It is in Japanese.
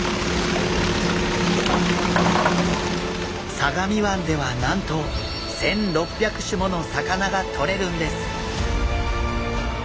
相模湾ではなんと１，６００種もの魚がとれるんです！